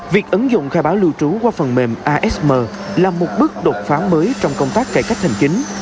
việc ứng dụng khai báo lưu trú qua phần mềm asm là một bước đột phá mới trong công tác cải cách hành chính